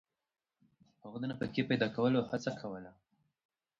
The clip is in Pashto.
هغه د نفقې پیدا کولو هڅه کوله.